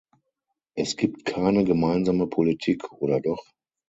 Es gibt keine gemeinsame Politik, oder doch?